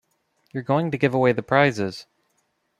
You're going to give away the prizes.